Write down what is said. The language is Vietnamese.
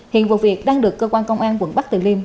hiện vụ việc đang được cơ quan công an quận bắc từ liêm